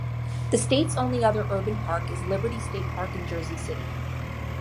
The state's only other urban park is Liberty State Park in Jersey City.